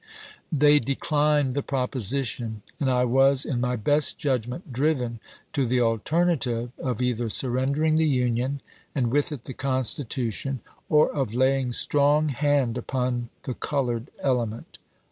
They declined the proposition, and I was, in my best judgment, driven to the alternative of either surrendering the Union, and with it the Constitution, or of laying strong hand upon the colored element.